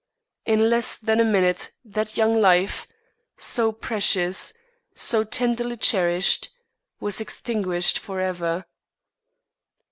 In less than a minute that young life, so precious, so tenderly cherished, was extinguished for ever.